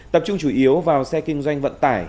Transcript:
tập trung chủ yếu vào xe kinh doanh vận tải